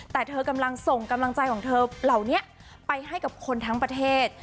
แต่เธอกำลังส่งกำลังใจของเธอเหล่านี้ไปให้กับคนทั้งประเทศ